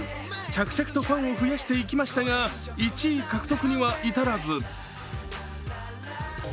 着々とファンを増やしていきましたが、１位獲得には至らず。